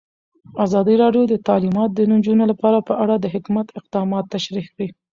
ازادي راډیو د تعلیمات د نجونو لپاره په اړه د حکومت اقدامات تشریح کړي.